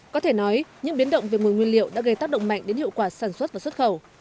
có thể nói những biến động về nguồn nguyên liệu đã gây tác động mạnh đến hiệu quả sản xuất và xuất khẩu